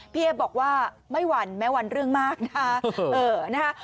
เอ๊บอกว่าไม่หวั่นแม้หวั่นเรื่องมากนะคะ